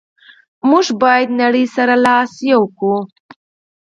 موږ باید نړی سره لاس یو کړو.